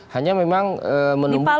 hanya memang menumbuhkan